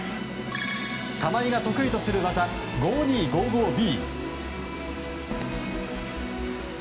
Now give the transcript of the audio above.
玉井が得意とする技５２５５Ｂ。